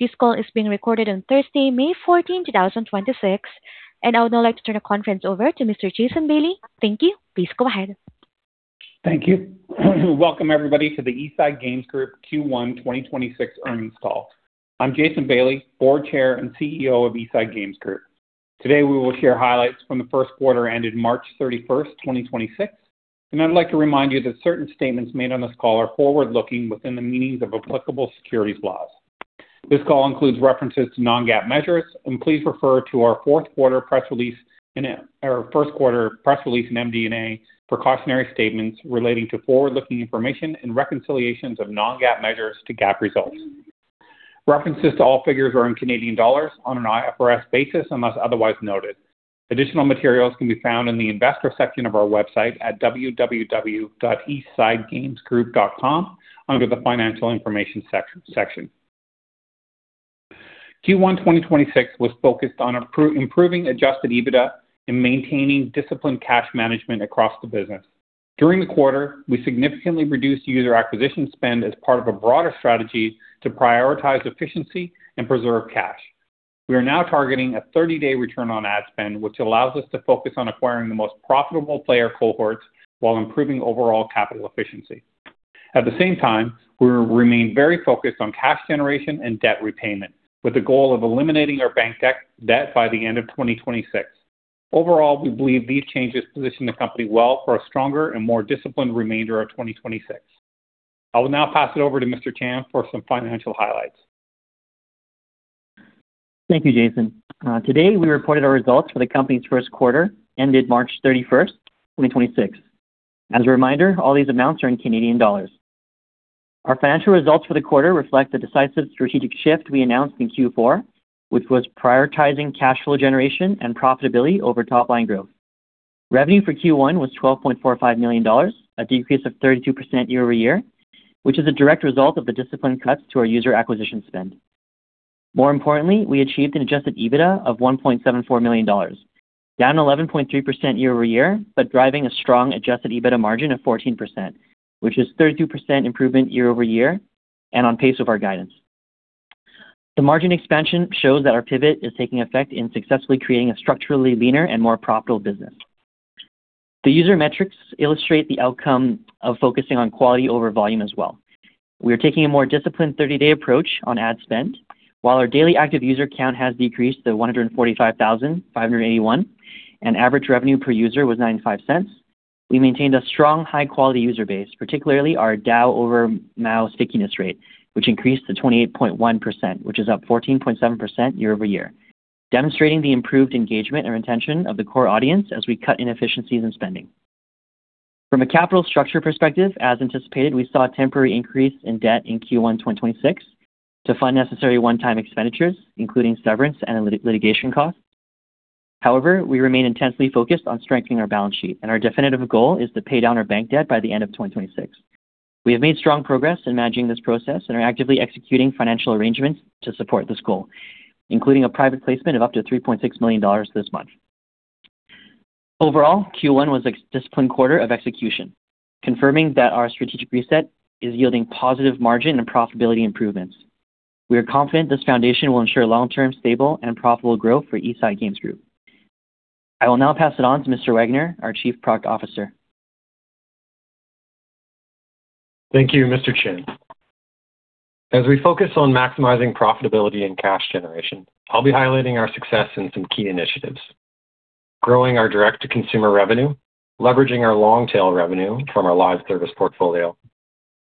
This call is being recorded on Thursday, May 14th, 2026. I would now like to turn the conference over to Mr. Jason Bailey. Thank you. Please go ahead. Thank you. Welcome, everybody, to the East Side Games Group Q1 2026 earnings call. I'm Jason Bailey, Board Chair and CEO of East Side Games Group. Today, we will share highlights from the Q1 ended March 31st, 2026. I'd like to remind you that certain statements made on this call are forward-looking within the meanings of applicable securities laws. This call includes references to non-GAAP measures. Please refer to our Q4 press release or Q1 press release and MD&A for cautionary statements relating to forward-looking information and reconciliations of non-GAAP measures to GAAP results. References to all figures are in CAD on an IFRS basis, unless otherwise noted. Additional materials can be found in the Investor section of our website at www.eastsidegamesgroup.com under the Financial Information section. Q1 2026 was focused on improving Adjusted EBITDA and maintaining disciplined cash management across the business. During the quarter, we significantly reduced user acquisition spend as part of a broader strategy to prioritize efficiency and preserve cash. We are now targeting a 30-day return on ad spend, which allows us to focus on acquiring the most profitable player cohorts while improving overall capital efficiency. At the same time, we remain very focused on cash generation and debt repayment, with the goal of eliminating our bank debt by the end of 2026. Overall, we believe these changes position the company well for a stronger and more disciplined remainder of 2026. I will now pass it over to Mr. Chan for some financial highlights. Thank you, Jason. Today, we reported our results for the company's Q1 ended 31 March 2026. As a reminder, all these amounts are in CAD. Our financial results for the quarter reflect the decisive strategic shift we announced in Q4, which was prioritizing cash flow generation and profitability over top-line growth. Revenue for Q1 was 12.45 million dollars, a decrease of 32% year-over-year, which is a direct result of the disciplined cuts to our user acquisition spend. More importantly, we achieved an Adjusted EBITDA of 1.74 million dollars, down 11.3% year-over-year, but driving a strong Adjusted EBITDA margin of 14%, which is a 32% improvement year-over-year and on pace with our guidance. The margin expansion shows that our pivot is taking effect in successfully creating a structurally leaner and more profitable business. The user metrics illustrate the outcome of focusing on quality over volume as well. We are taking a more disciplined 30-day approach on ad spend. While our daily active user count has decreased to 145,581, and ARPDAU was 0.95, we maintained a strong high-quality user base, particularly our DAU over MAU stickiness rate, which increased to 28.1%, which is up 14.7% year-over-year, demonstrating the improved engagement and retention of the core audience as we cut inefficiencies in spending. From a capital structure perspective, as anticipated, we saw a temporary increase in debt in Q1 2026 to fund necessary one-time expenditures, including severance and litigation costs. However, we remain intensely focused on strengthening our balance sheet, and our definitive goal is to pay down our bank debt by the end of 2026. We have made strong progress in managing this process and are actively executing financial arrangements to support this goal, including a private placement of up to 3.6 million dollars this month. Overall, Q1 was a disciplined quarter of execution, confirming that our strategic reset is yielding positive margin and profitability improvements. We are confident this foundation will ensure long-term, stable, and profitable growth for East Side Games Group. I will now pass it on to Mr. Wagner, our Chief Product Officer. Thank you, Mr. Chan. As we focus on maximizing profitability and cash generation, I'll be highlighting our success in some key initiatives: growing our direct-to-consumer revenue, leveraging our long-tail revenue from our live service portfolio,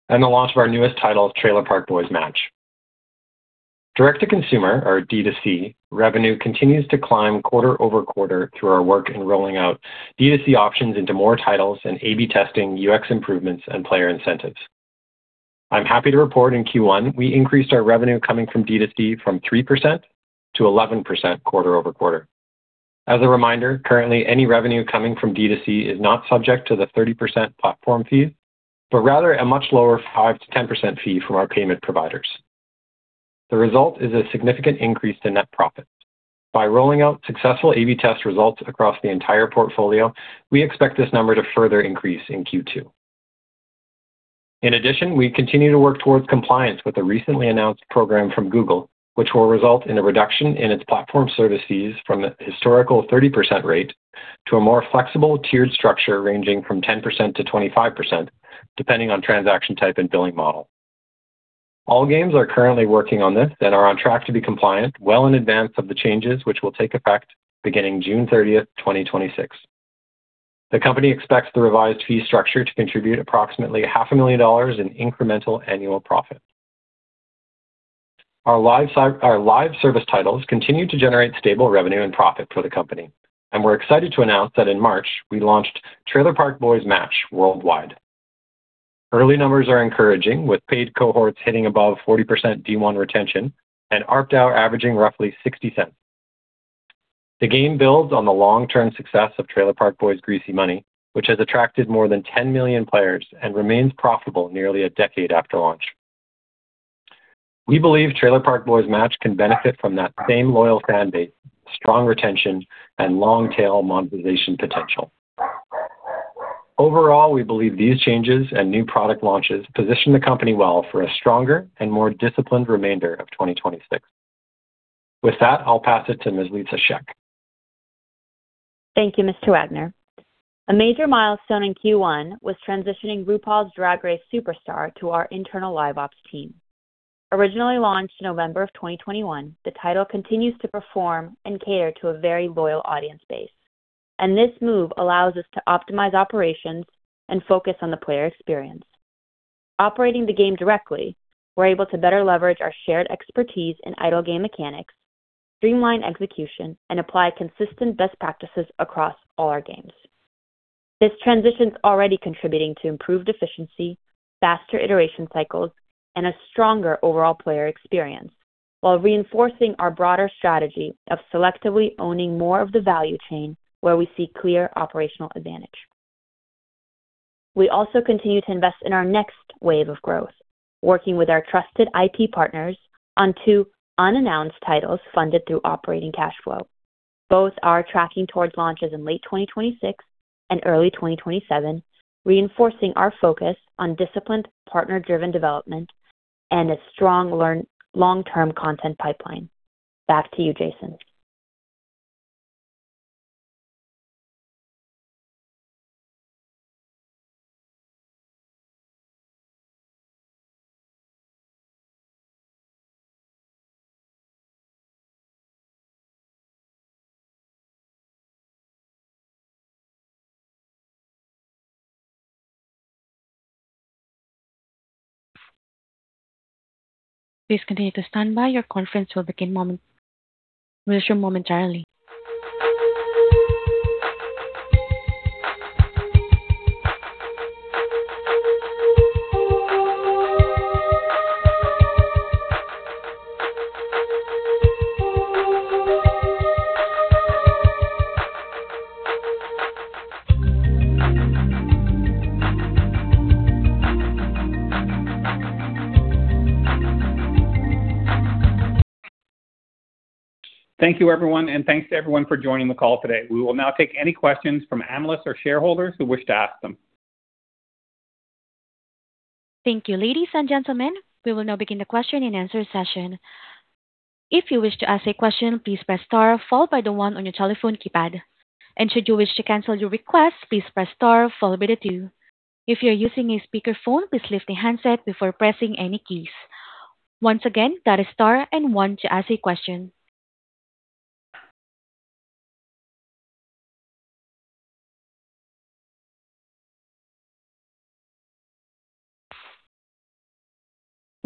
and the launch of our newest title, Trailer Park Boys Match. Direct-to-consumer, or D2C, revenue continues to climb quarter-over-quarter through our work in rolling out D2C options into more titles and A/B testing UX improvements and player incentives. I'm happy to report in Q1, we increased our revenue coming from D2C from 3% to 11% quarter-over-quarter. As a reminder, currently, any revenue coming from D2C is not subject to the 30% platform fees, but rather a much lower 5%-10% fee from our payment providers. The result is a significant increase to net profit. By rolling out successful A/B test results across the entire portfolio, we expect this number to further increase in Q2. We continue to work towards compliance with the recently announced program from Google, which will result in a reduction in its platform service fees from the historical 30% rate to a more flexible tiered structure ranging from 10% to 25%, depending on transaction type and billing model. All games are currently working on this and are on track to be compliant well in advance of the changes, which will take effect beginning 30th June 2026. The company expects the revised fee structure to contribute approximately half a million dollars in incremental annual profit. Our live service titles continue to generate stable revenue and profit for the company. We're excited to announce that in March, we launched Trailer Park Boys Match worldwide. Early numbers are encouraging, with paid cohorts hitting above 40% D1 retention and ARPDAU averaging roughly 0.60. The game builds on the long-term success of Trailer Park Boys Grea$y Money, which has attracted more than 10 million players and remains profitable nearly a decade after launch. We believe Trailer Park Boys Match can benefit from that same loyal fan base, strong retention, and long-tail monetization potential. We believe these changes and new product launches position the company well for a stronger and more disciplined remainder of 2026. With that, I'll pass it to Ms. Lisa Shek. Thank you, Mr. Wagner. A major milestone in Q1 was transitioning RuPaul's Drag Race Superstar to our internal LiveOps team. Originally launched in November of 2021, the title continues to perform and cater to a very loyal audience base. This move allows us to optimize operations and focus on the player experience. Operating the game directly, we're able to better leverage our shared expertise in idle game mechanics, streamline execution, and apply consistent best practices across all our games. This transition is already contributing to improved efficiency, faster iteration cycles, and a stronger overall player experience, while reinforcing our broader strategy of selectively owning more of the value chain where we see clear operational advantage. We also continue to invest in our next wave of growth, working with our trusted IP partners on two unannounced titles funded through operating cash flow. Both are tracking towards launches in late 2026 and early 2027, reinforcing our focus on disciplined partner-driven development and a strong long-term content pipeline. Back to you, Jason. Please continue to stand by. Your conference will begin moment-- will resume momentarily. Thank you, everyone, and thanks to everyone for joining the call today. We will now take any questions from analysts or shareholders who wish to ask them. Thank you. Ladies and gentlemen, we will now begin the question-and-answer session.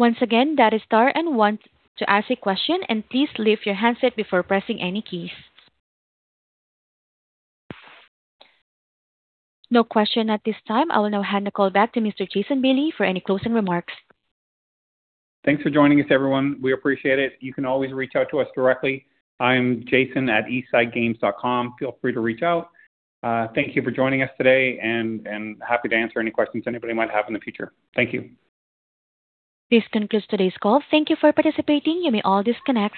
I will now hand the call back to Mr. Jason Bailey for any closing remarks. Thanks for joining us, everyone. We appreciate it. You can always reach out to us directly. I'm Jason at eastsidegames.com. Feel free to reach out. Thank you for joining us today and happy to answer any questions anybody might have in the future. Thank you. This concludes today's call. Thank you for participating. You may all disconnect.